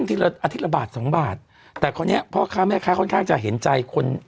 อาทิตย์ละบาท๒บาทแต่พอเนี้ยพ่อค้าแม่ค้าค่อนข้างจะเห็นใจคน